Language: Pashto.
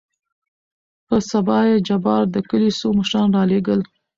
په سبا يې جبار دکلي څو مشران رالېږل.